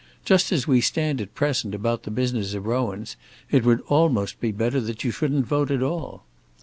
Just as we stand at present about the business of Rowan's, it would almost be better that you shouldn't vote at all."